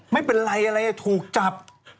ไม่เป็นไรอะไรถูกจับ